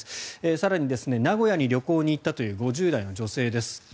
更に、名古屋に旅行に行ったという５０代の女性です。